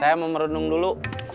saya mau merenung dulu